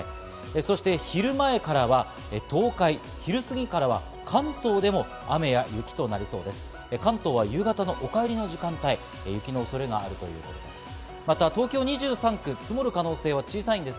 そして昼前からは東海、昼過ぎからは関東でも雨や雪となりそうです。